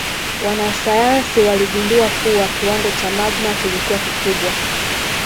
Wanasayansi waligundua kuwa kiwango cha magma kilikuwa kikubwa